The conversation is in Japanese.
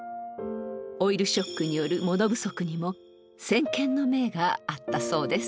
オイルショックによる物不足にも先見の明があったそうです。